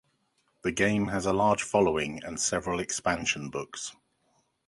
The game has a large following and several expansion books.